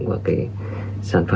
của cái sản phẩm